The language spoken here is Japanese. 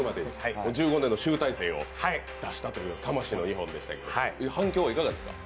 １５年の集大成を出したという魂の２年でしたけど、反響、いかがでしたか？